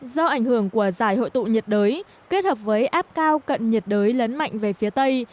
do ảnh hưởng của giải hội tụ nhiệt đới kết hợp với áp cao cận nhiệt đới lấn mạnh về phía tây